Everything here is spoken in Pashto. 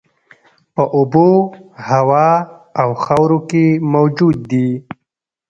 په اوبو، هوا او خاورو کې موجود دي.